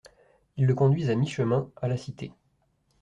Ils le conduisent à mi-chemin, à la Cité.